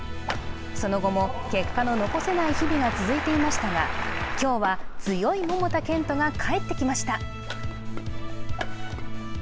その後も結果の残せない日々が続いていましたが今日は、強い桃田賢斗が帰ってきました。